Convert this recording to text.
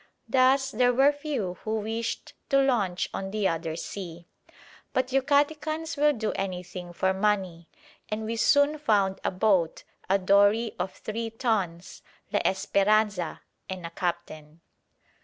Thus there were few who wished to launch on the other sea. But Yucatecans will do anything for money, and we soon found a boat, a dory of three tons, "La Esperanza," and a captain.